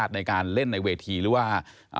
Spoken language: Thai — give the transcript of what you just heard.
ในการเล่นในเวทีหรือว่า